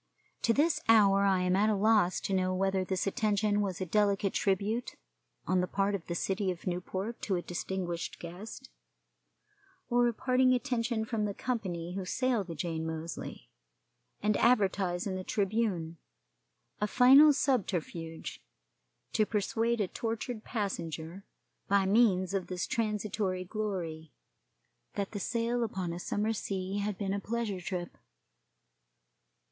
To this hour I am at a loss to know whether this attention was a delicate tribute on the part of the city of Newport to a distinguished guest, or a parting attention from the company who sail the Jane Moseley, and advertise in the Tribune a final subterfuge to persuade a tortured passenger, by means of this transitory glory, that the sail upon a summer sea had been a pleasure trip.